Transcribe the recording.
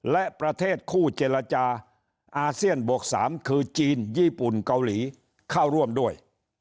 และประเทศคู่เจรจาอาเซียนบวก๓คือจีนญี่ปุ่นเกาหลีเข้าร่วมด้วย